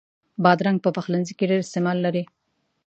بادرنګ په پخلنځي کې ډېر استعمال لري.